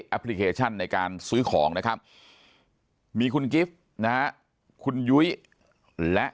พลิเคชันในการซื้อของนะครับมีคุณกิฟต์นะฮะคุณยุ้ยและ